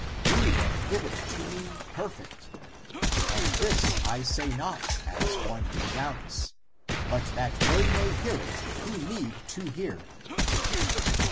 Do then give it to me perfect! And this I say not as one who doubts, but that they may hear it who need to hear."